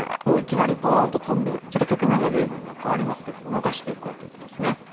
もういきなりポーンと跳んで局面が随分ね変わりますけども動かしていこうという手ですね。